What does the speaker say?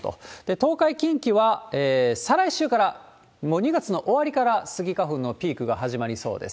東海、近畿は再来週からもう２月の終わりからスギ花粉のピークが始まりそうです。